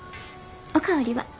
お代わりは？